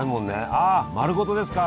ああ丸ごとですか！